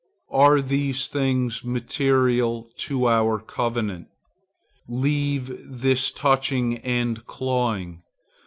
Are these things material to our covenant? Leave this touching and clawing.